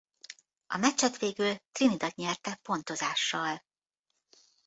A meccset végül Trinidad nyerte pontozással.